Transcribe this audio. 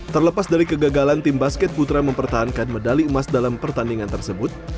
terlepas dari kegagalan tim basket putra mempertahankan medali emas dalam pertandingan tersebut